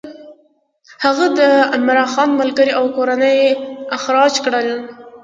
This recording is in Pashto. هغه د عمرا خان ملګري او کورنۍ اخراج کړل.